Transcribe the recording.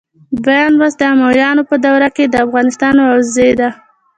دویم لوست د امویانو په دوره کې د افغانستان وضع ده.